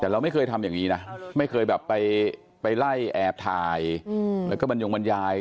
แต่เราไม่เคยทำอย่างนี้นะไม่เคยแบบไปไล่แอบถ่ายแล้วก็บรรยงบรรยาย